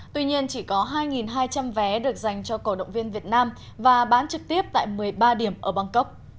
tuy nhiên chỉ có hai hai trăm linh vé được dành cho cổ động viên việt nam và bán trực tiếp tại một mươi ba điểm ở bangkok